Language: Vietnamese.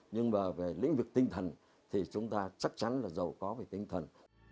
nhưng mà về lĩnh vực tinh thần thì chúng ta chắc chắn là giàu có về tinh thần